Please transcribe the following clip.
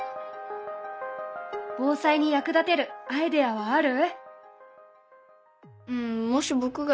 防災に役立てるアイデアはある？